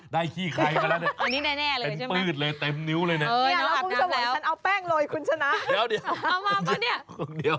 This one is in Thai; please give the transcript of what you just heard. เดี๋ยวคุณชนะเอาอยู่นี่